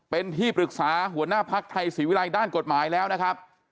เป็นที่ปรึกษาหัวหน้าภักดิ์ไทยศรีวิรัยด้านกฎหมายแล้วนะครับ